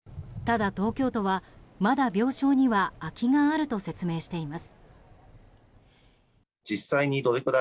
ただ、東京都はまだ病床には空きがあると説明しています。